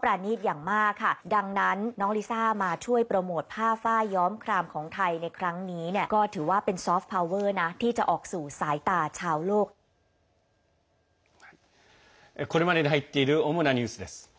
これまでに入っている世界の放送局の主なニュースです。